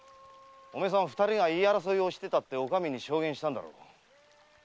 お前さん二人が言い争いしてたとお上に証言したんだろう？